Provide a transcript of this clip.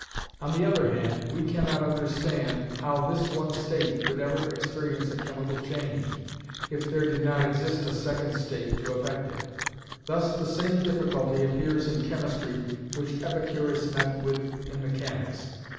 On the other hand, we cannot understand how this one state could ever experience a chemical change, if there did not exist a second state to affect it. Thus the same difficulty appears in chemistry which Epicurus met with in mechanics.